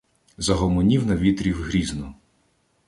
Загомонів на вітрів грізно: